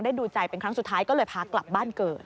ดูใจเป็นครั้งสุดท้ายก็เลยพากลับบ้านเกิด